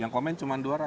yang komen cuma dua ratus